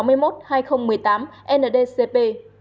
nghị định số sáu mươi năm